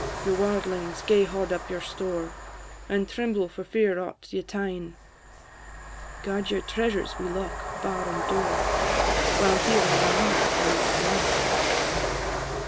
Ye warldlings! gae hoard up your store, And tremble for fear aught ye tyne; Guard your treasures wi' lock, bar, and door, While here in my arms I lock mine!"